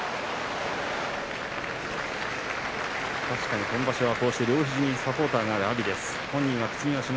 確かに今場所、両肘にサポーターがある阿炎です。